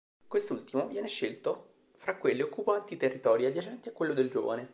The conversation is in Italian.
Quest'ultimo viene scelto fra quelli occupanti i territori adiacenti a quello del giovane.